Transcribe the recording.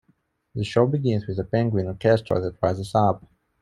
The show begins with a penguin orchestra that rises up.